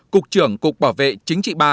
cục trưởng cục bảo vệ chính trị ba